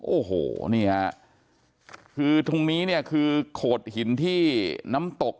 โอ้โหนี่ฮะคือตรงนี้เนี่ยคือโขดหินที่น้ำตก